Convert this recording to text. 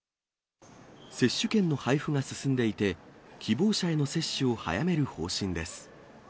接種券の配布が進んでいて、希望者への接種を早める方針です。